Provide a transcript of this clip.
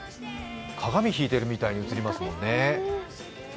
鏡、引いてるみたいに写りますね。